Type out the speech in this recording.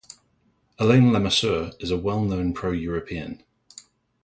Alain Lamassoure is a well-known pro-European.